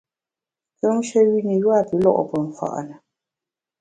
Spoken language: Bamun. Kùmshe wü ne yua pü lo’ pe mfa’ na.